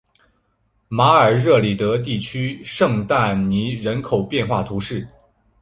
马尔热里德地区圣但尼人口变化图示